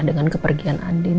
dengan kepergian andin